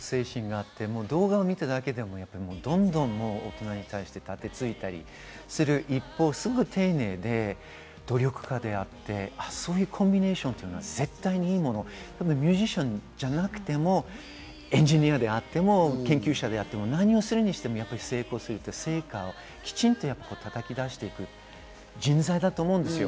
あんなに反骨精神があって、動画を見ただけでも、どんどん大人に対してたて突いたり、する一方、すごく丁寧で努力家であって、そういうコンビネーションは絶対にいいもの、ミュージシャンじゃなくてもエンジニアであっても研究者であっても何をするにしても成功する、成果をきちんと叩き出していく人材だと思うんです。